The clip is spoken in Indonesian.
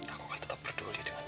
aku akan tetap peduli dengan siap